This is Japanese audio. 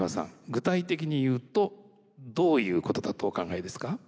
具体的に言うとどういうことだとお考えですか？